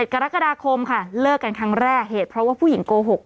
กรกฎาคมค่ะเลิกกันครั้งแรกเหตุเพราะว่าผู้หญิงโกหก